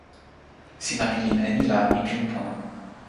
sina pilin e ni la mi pilin pona.